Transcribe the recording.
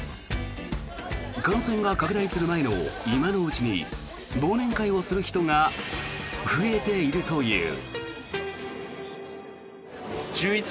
感染が拡大する前の今のうちに忘年会をする人が増えているという。